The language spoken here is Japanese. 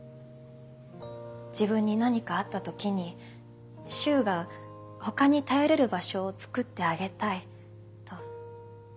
「自分に何かあった時に柊が他に頼れる場所をつくってあげたい」と。